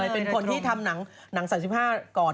เป็นคนที่ทำหนัง๓๕ก่อน